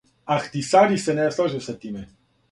Ахтисари се не слаже са тим.